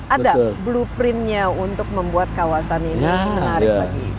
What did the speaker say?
ada blueprintnya untuk membuat kawasan ini menarik bagi